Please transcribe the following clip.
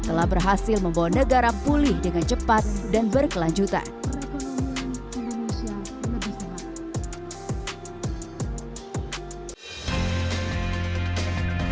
telah berhasil membawa negara pulih dengan cepat dan berkelanjutan